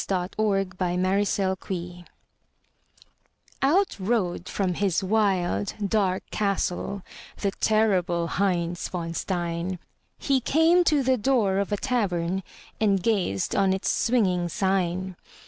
_ THE LEGEND OF HEINZ VON STEIN Out rode from his wild, dark castle The terrible Heinz von Stein; He came to the door of a tavern And gazed on its swinging sign.